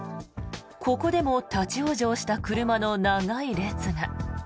ここでも立ち往生した車の長い列が。